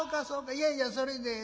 いやいやそれでええ。